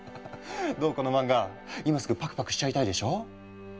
どうこの漫画今すぐパクパクしちゃいたいでしょ？